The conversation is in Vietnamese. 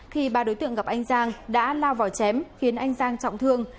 khi ba đối tượng gặp anh giang đã lao vào chém khiến anh giang trọng thương